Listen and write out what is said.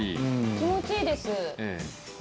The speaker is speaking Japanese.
気持ちいいです。